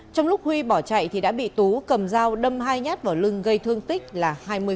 trong lúc huy bỏ chạy thì đã bị tú cầm dao đâm hai nhát vào lưng gây thương tích là hai mươi